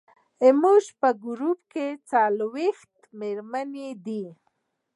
زموږ په ګروپ کې څلوېښت مېرمنې دي.